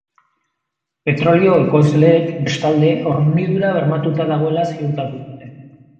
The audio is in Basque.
Petrolio ekoizleek, bestalde, hornidura bermatuta dagoela ziurtatu dute.